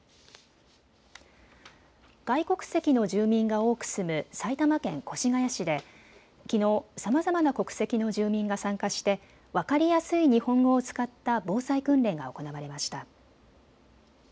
外国籍の住民が多く住む埼玉県越谷市できのう、さまざまな国籍の住民が参加して分かりやすい日本語を使った防災訓練が行われました。